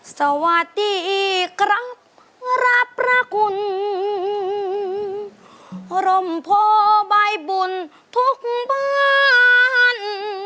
สวัสดีครับรับพระคุณพรมโพใบบุญทุกบ้าน